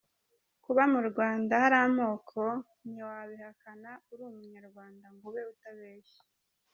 Kuba mu Rwanda hari amoko ntiwabihakana uri umunyarwanda ngo ube utabeshya.